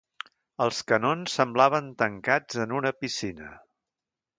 Els canons semblaven tancats en una piscina